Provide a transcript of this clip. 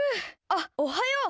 あっおはよう。